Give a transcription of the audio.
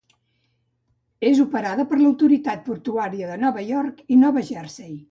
És operada per l'Autoritat Portuària de Nova York i Nova Jersey.